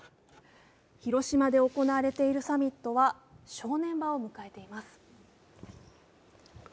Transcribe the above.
広島で行われているサミットは正念場を迎えています。